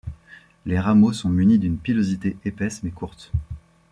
Les rameaux sont munis d'une pilosité épaisse mais courte.